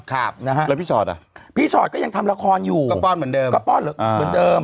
แล้วพี่สอดอ่ะพี่สอดก็ยังทำละครอยู่ก็ป้อนเหมือนเดิม